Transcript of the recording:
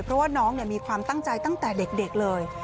เพราะว่าน้องมีความตั้งใจตั้งแต่เด็กเลย